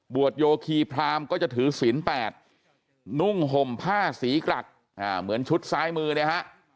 โยคีพรามก็จะถือศีล๘นุ่งห่มผ้าสีกรักเหมือนชุดซ้ายมือเนี่ยฮะ